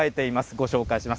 ご紹介します。